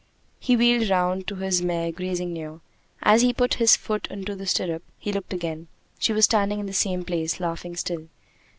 He wheeled round to his mare grazing near. As he put his foot into the stirrup, he looked again: she was standing in the same place, laughing still.